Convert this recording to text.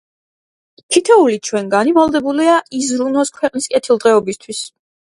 თითოეული ჩვენგანი ვალდებულია, იზრუნოს ქვეყნის კეთილდღეობისათვის.